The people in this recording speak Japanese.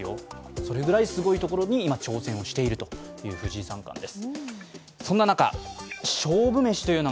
それぐらいすごいところに今挑戦をしている藤井三冠です。